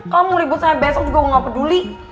kamu libut sama besok juga gue gak peduli